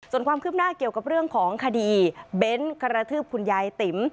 ส่วนความคืบหน้าเกี่ยวกับเรื่องของคดีเบ้นกระทืบคุณยายติ๋ม